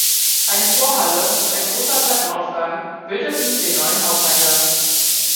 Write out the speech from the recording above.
Eine Vorhalle und ein großer Treppenaufgang bildeten den neuen Haupteingang.